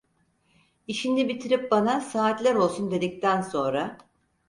İşini bitirip bana "Saatler olsun" dedikten sonra: